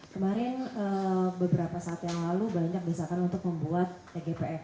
kemarin beberapa saat yang lalu banyak desakan untuk membuat tgpf